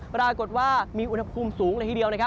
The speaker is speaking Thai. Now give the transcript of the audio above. ปรากฏว่ามีอุณหภูมิสูงเลยทีเดียว